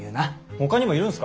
ほかにもいるんすか？